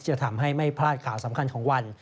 จะทำให้ไม่พลาดข่าวสำคัญของวัน